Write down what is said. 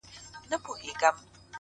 که ژوند راکوې-